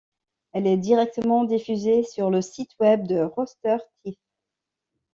Elle est directement diffusée sur le site web de Rooster Teeth.